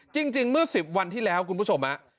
จริงเมื่อ๑๐วันที่แล้วคุณผู้ชม